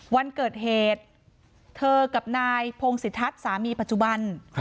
วันเกิดเหตุเธอกับนายพงศิทัศน์สามีปัจจุบัน